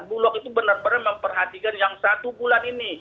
bulog itu benar benar memperhatikan yang satu bulan ini